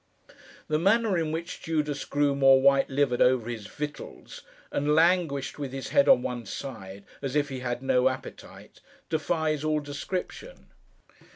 The manner in which Judas grew more white livered over his victuals, and languished, with his head on one side, as if he had no appetite, defies all description.